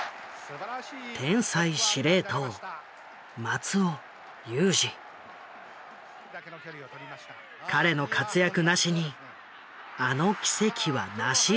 天才司令塔彼の活躍なしにあの奇跡は成し得なかった。